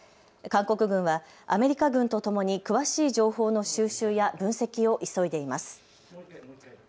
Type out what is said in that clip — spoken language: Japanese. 韓国軍はアメリカ軍とともに詳しい情報の収集や分析を急いでいます。